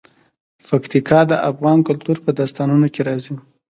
پکتیکا د افغان کلتور په داستانونو کې راځي.